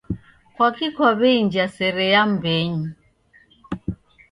Kwaki kwaw'einja sere ya mbenyu?